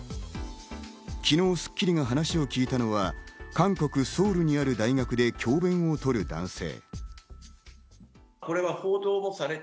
昨日『スッキリ』が話を聞いたのは韓国・ソウルにある大学で教鞭をとる男性。